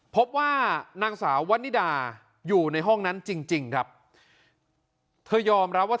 พบว่านางสาววันนิดาอยู่ในห้องนั้นจริงครับเธอยอมรับว่า